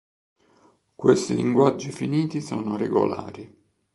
Questi linguaggi finiti sono regolari.